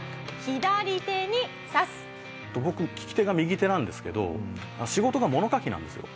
僕利き手が右手なんですけど仕事が物書きなんですよ。